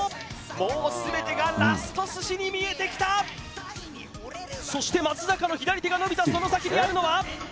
もう全てがラスト寿司に見えてきたそして松坂の左手が伸びたその先にあるのは！？